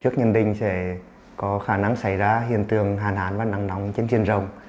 trước nhân định sẽ có khả năng xảy ra hiện tượng hàn hán và nắng nóng trên thiên rồng